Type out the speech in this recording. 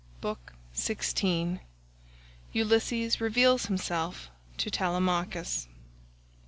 BOOK XVI ULYSSES REVEALS HIMSELF TO TELEMACHUS.